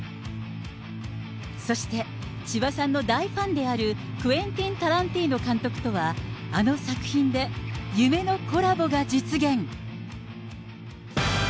そして千葉さんの大ファンである、クエンティン・タランティーノ監督とは、あの作品で夢のコラボが実現。